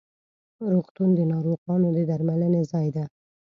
روغتون د ناروغانو د درملنې ځای ده.